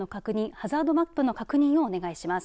ハザードマップの確認をお願いします。